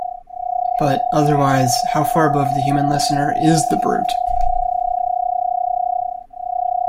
But, otherwise, how far above the human listener is the brute!